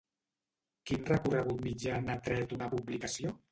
Quin reconegut mitjà n'ha tret una publicació?